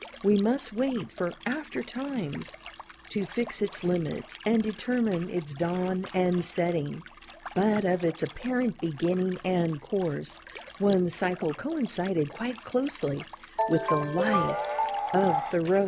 We must wait for after times to fix its limits and determine its dawn and setting; but of its apparent beginning and course, one cycle coincided quite closely with the life of Thoreau.